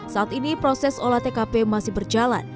saat ini proses olah tkp masih berjalan